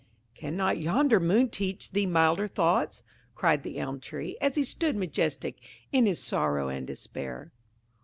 "Cannot yonder moon teach thee milder thoughts?" cried the Elm tree, as he stood majestic in his sorrow and despair.